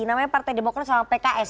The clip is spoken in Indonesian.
namanya partai demokrat sama pks